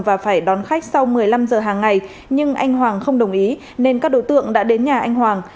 và phải đón khách sau một mươi năm giờ hàng ngày nhưng anh hoàng không đồng ý nên các đối tượng đã đến nhà anh hoàng